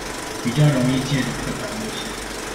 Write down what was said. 比較容易借的刻板印象